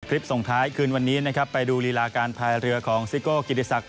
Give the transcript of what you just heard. ส่งท้ายคืนวันนี้นะครับไปดูรีลาการพายเรือของซิโก้กิติศักดิ